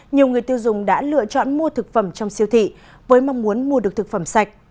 nhiều người tiêu dùng đã lựa chọn mua thực phẩm trong siêu thị với mong muốn mua được thực phẩm sạch